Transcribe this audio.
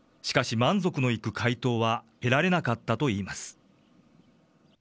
しかし、満足のいく回答は得られなかったといいます。